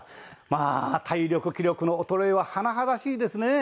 まあ体力気力の衰えは甚だしいですね。